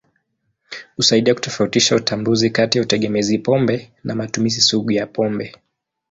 Husaidia kutofautisha utambuzi kati ya utegemezi pombe na matumizi sugu ya pombe.